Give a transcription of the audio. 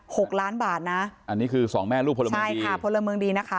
หกล้านบาทนะอันนี้คือสองแม่ลูกพลเมืองใช่ค่ะพลเมืองดีนะคะ